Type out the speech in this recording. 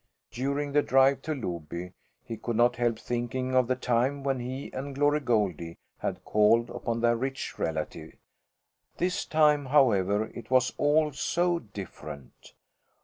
During the drive to Loby he could not help thinking of the time when he and Glory Goldie had called upon their rich relatives. This time, however, it was all so different!